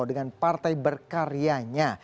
dengan partai berkaryanya